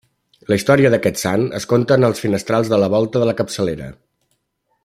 La història d'aquest sant es conta en els finestrals de la volta de la capçalera.